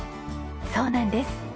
そうなんです。